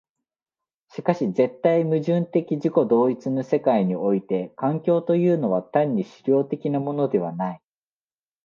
しかし絶対矛盾的自己同一の世界において環境というのは単に質料的なものではない。